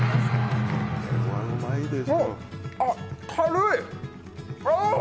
あっ、軽い！